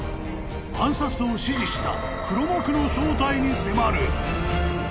［暗殺を指示した黒幕の正体に迫る］